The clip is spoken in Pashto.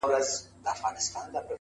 د ګیلاس لوري د شراب او د مینا لوري ـ